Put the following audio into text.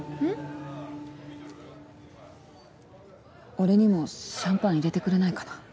俺にもシャンパン入れてくれないかな？